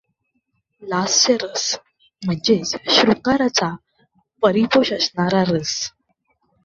लास्य रस म्हणजेच शृंगाराचा परिपोष असणारा रस.